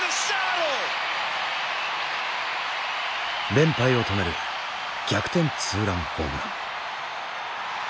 連敗を止める逆転ツーランホームラン。